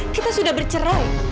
kita sudah bercerai